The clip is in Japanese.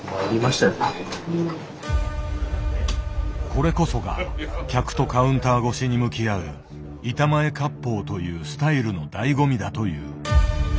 これこそが客とカウンター越しに向き合う「板前割烹」というスタイルのだいご味だという。